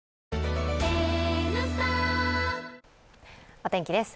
お天気です。